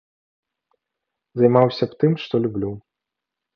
Займаўся б тым, што люблю.